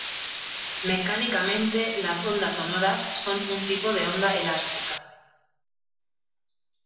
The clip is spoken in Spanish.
Mecánicamente las ondas sonoras son un tipo de onda elástica.